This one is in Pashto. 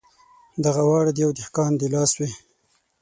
دغه واړه د یوه دهقان د لاس وې.